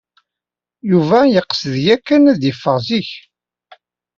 Yuba yeqsed yakan ad iffeɣ zik.